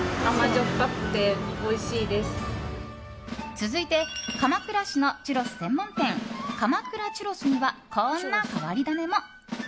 続いて鎌倉市のチュロス専門店鎌倉チュロスにはこんな変わり種も。